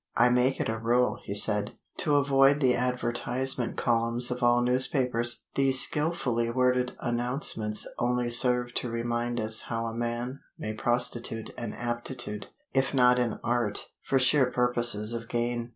"I make it a rule," he said, "to avoid the advertisement columns of all newspapers. These skilfully worded announcements only serve to remind us how a man may prostitute an aptitude, if not an art, for sheer purposes of gain.